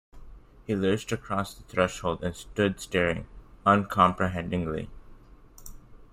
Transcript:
He lurched across the threshold and stood staring uncomprehendingly.